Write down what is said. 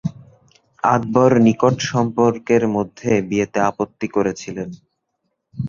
আকবর নিকট সম্পর্কের মধ্যে বিয়েতে আপত্তি করেছিলেন।